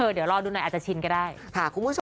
พอเราแต่งหน้าทีนี้ก็จะกลัว